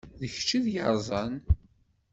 D kečč i t-yeṛẓan.